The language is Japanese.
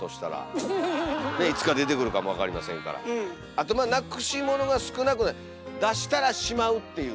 あとまあなくしものが少なくなる「出したらしまう」っていうね。